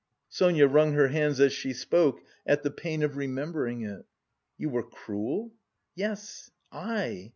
Sonia wrung her hands as she spoke at the pain of remembering it. "You were cruel?" "Yes, I I.